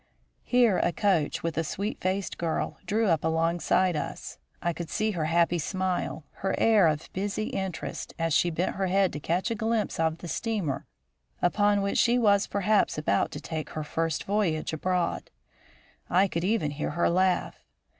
Here a coach, with a sweet faced girl, drew up along side us. I could see her happy smile, her air of busy interest, as she bent her head to catch a glimpse of the steamer upon which she was perhaps about to take her first voyage abroad. I could even hear her laugh.